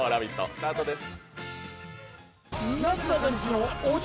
スタートです。